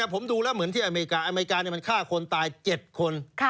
ผมดูแล้วเหมือนที่อเมริกาอเมริกามันฆ่าคนตาย๗คน